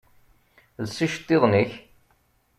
Els iceṭṭiḍen-ik!